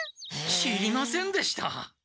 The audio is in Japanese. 知りませんでした！